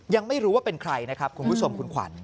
ยังไม่รู้ว่าเป็นใครนะครับคุณผู้ชมคุณขวัญ